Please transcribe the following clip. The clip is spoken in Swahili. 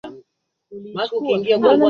mila desturi na tamaduni za afrika